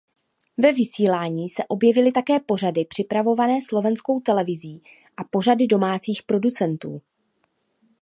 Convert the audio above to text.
Ve vysílání se objevily také pořady připravované Slovenskou televizí a pořady domácích producentů.